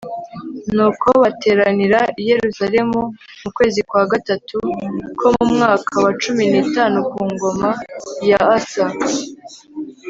Nuko bateranira i Yerusalemu mu kwezi kwa gatatu ko mu mwaka wa cumi nitanu ku ngoma ya Asa